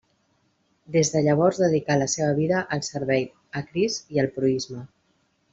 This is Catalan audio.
Des de llavors dedicà la seva vida al servei a Crist i al proïsme.